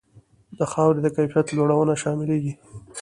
د خاورې د کیفیت لوړونه شاملیږي.